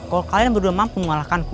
kalau kalian berdua mampu mengalahkanku